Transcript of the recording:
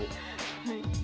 はい。